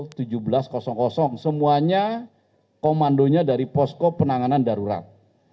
setiap hari pada pukul tujuh belas semuanya komandonya dari posko penanganan darurat